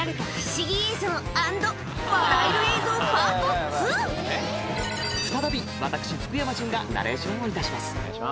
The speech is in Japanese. ここからは再び私福山潤がナレーションをいたします。